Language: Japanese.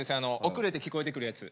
遅れて聞こえてくるやつ。